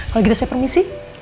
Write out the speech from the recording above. kalau gitu saya permisi